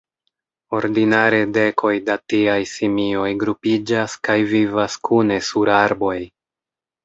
Ordinare dekoj da tiaj simioj grupiĝas kaj vivas kune sur arboj.